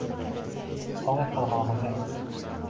Soy qirg’og’iga…